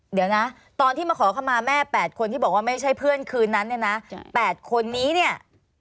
เดี๋ยวนะตอนที่มาขอขมาแม่๘คนที่บอกว่าไม่ใช่เพื่อนคืนนั้นเนี่ยนะ๘คนนี้เนี่ย